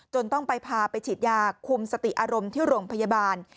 ต้องไปพาไปฉีดยาคุมสติอารมณ์ที่โรงพยาบาล